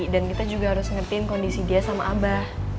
dan kita juga harus ngertiin kondisi dia sama abah